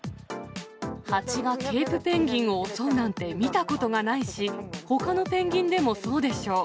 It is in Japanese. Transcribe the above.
ハチがケープペンギンを襲うなんて見たことがないし、ほかのペンギンでもそうでしょう。